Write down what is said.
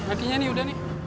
lakinya nih udah nih